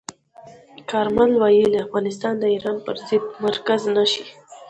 کارمل ویلي، افغانستان د ایران پر ضد مرکز نه شي.